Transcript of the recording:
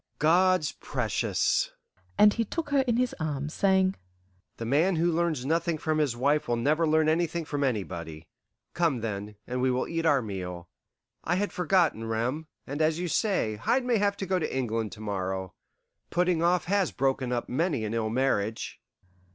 "God's precious!" and he took her in his arms, saying, "the man who learns nothing from his wife will never learn anything from anybody. Come, then, and we will eat our meal. I had forgotten Rem, and as you say, Hyde may have to go to England to morrow; putting off has broken up many an ill marriage."